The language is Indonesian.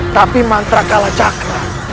tapi mantra kalacakra